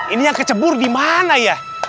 ini yang kecebur dimana ya